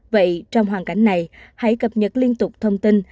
vậy trong hoàn cảnh này hãy cập nhật liên tục thông tin